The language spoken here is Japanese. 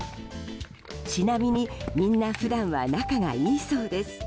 ちなみに、みんな普段は仲がいいそうです。